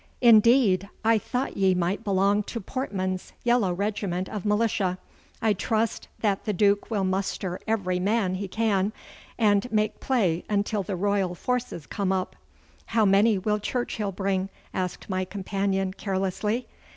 'Indeed! I thought ye might belong to Portman's yellow regiment of militia. I trust that the Duke will muster every man he can, and make play until the royal forces come up.' 'How many will Churchill bring?' asked my companion carelessly.